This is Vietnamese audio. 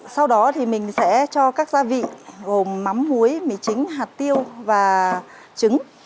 sau đó thì mình sẽ cho các gia vị gồm mắm muối mì chính hạt tiêu và trứng